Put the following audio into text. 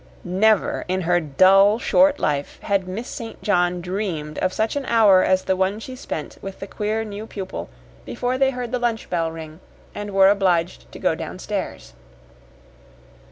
Never in her dull, short life had Miss St. John dreamed of such an hour as the one she spent with the queer new pupil before they heard the lunch bell ring and were obliged to go downstairs.